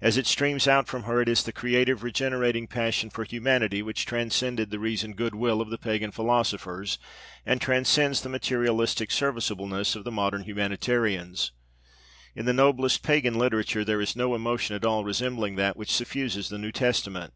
As it streams out from her it is the creative, regenerating passion for humanity which transcended the reasoned good will of the pagan philosophers and transcends the materialistic serviceableness of the modern humanitarians. In the noblest pagan literature there is no emotion at all resembling that which suffuses the New Testament.